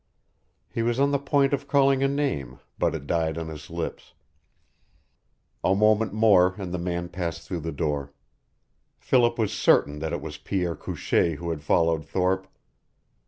He was on the point of calling a name, but it died on his lips. A moment more and the man passed through the door. Philip was certain that it was Pierre Couchee who had followed Thorpe.